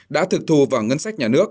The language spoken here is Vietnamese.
đã thực thu vào ngân sách nhà nước